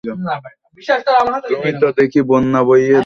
তুমি তো দেখি বন্যা বইয়ে দিচ্ছো।